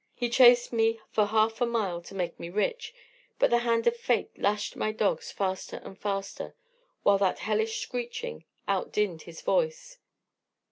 Me chased me for half a mile to make me rich, but the hand of fate lashed my dogs faster and faster, while that hellish screeching outdinned his voice.